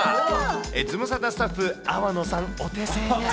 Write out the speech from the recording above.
ズムサタスタッフ、粟野さんお手製です。